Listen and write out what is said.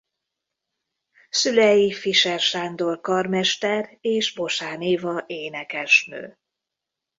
Szülei Fischer Sándor karmester és Boschán Éva énekesnő.